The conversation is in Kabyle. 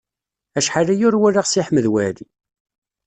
Acḥal aya ur walaɣ Si Ḥmed Waɛli.